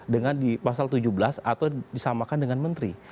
dengan di pasal tujuh belas atau disamakan dengan menteri